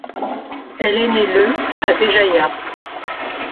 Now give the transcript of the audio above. Elle est née le à Béjaïa.